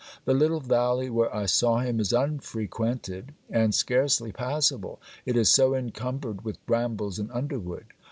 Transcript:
The little valley where I saw him is unfrequented; and scarcely passable, it is so encumbered with brambles and underwood.